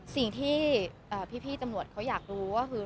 สิ่งที่พี่ตำรวจเขาอยากรู้ก็คือ